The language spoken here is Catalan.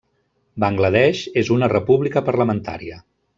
Bangla Desh és una república parlamentària.